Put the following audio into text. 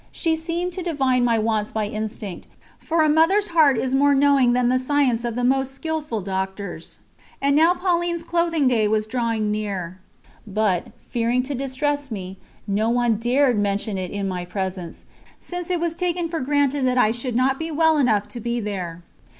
She seemed to divine my wants by instinct, for a mother's heart is more knowing than the science of the most skilful doctors. And now Pauline's clothing day was drawing near; but, fearing to distress me, no one dared mention it in my presence, since it was taken for granted that I should not be well enough to be there.